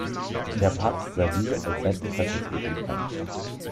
Der Papst sah diese als sein Interessensgebiet an.